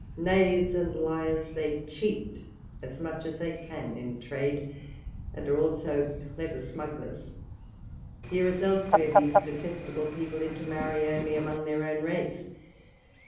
Knaves and liars, they cheat as much as they can in trade, and are also clever smugglers. Here, as elsewhere, these detestable people intermarry only among their own race.